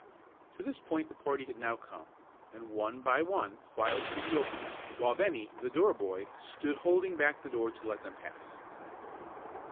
To this point the party had now come, and one by one filed through the opening, while Bennie, the door boy, stood holding back the door to let them pass.